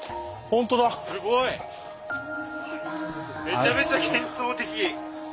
めちゃめちゃ幻想的。